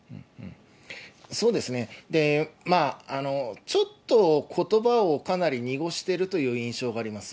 そうですね、ちょっとことばをかなり濁してるという印象があります。